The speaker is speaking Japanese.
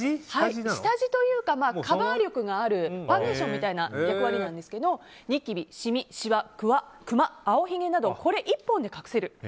下地というか、カバー力のあるファンデーションみたいな役割なんですけどニキビ、シミ、しわ、クマ青ひげなど、これ１本で隠せる。